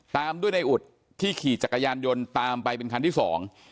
ตามด้วยในอุดที่ขี่จักรยานยนต์ตามไปเป็นคันที่สอง